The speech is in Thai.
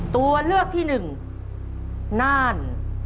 ตัวเลือกที่หนึ่งน่าน